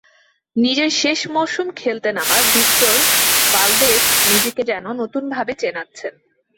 নিজের শেষ মৌসুম খেলতে নামা ভিক্টর ভালদেস নিজেকে যেন নতুনভাবে চেনাচ্ছেন।